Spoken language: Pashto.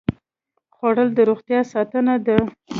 خوړل د روغتیا ساتنه ده